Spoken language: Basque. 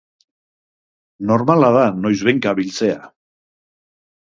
Normala da noizbehinka biltzea.